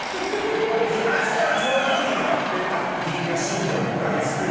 昔は上手にやってた梨花信者をいっぱいつくり。